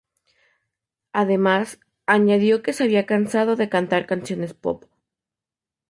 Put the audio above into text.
Además, añadió que se había cansado de cantar canciones pop.